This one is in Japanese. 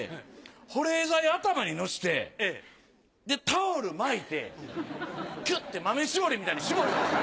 保冷剤頭にのせてタオル巻いてキュッて豆しぼりみたいにしぼったんですよ。